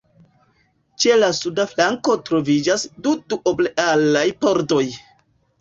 Ĉe la suda flanko troviĝas du duoblealaj pordoj.